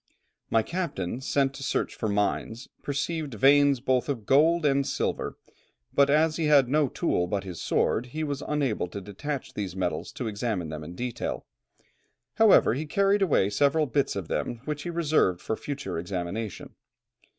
My captain, sent to search for mines, perceived veins both of gold and silver; but as he had no tool but his sword, he was unable to detach these metals to examine them in detail; however, he carried away several bits of them which he reserved for future examination.